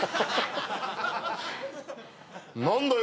何だよ